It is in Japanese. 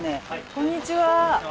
こんにちは。